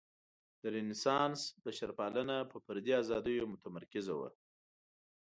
د رنسانس بشرپالنه په فردي ازادیو متمرکزه وه.